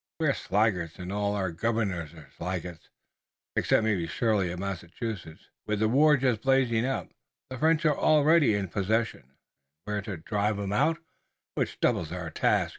We're sluggards and all our governors are sluggards, except maybe Shirley of Massachusetts. With the war just blazing up the French are already in possession, and we're to drive 'em out, which doubles our task.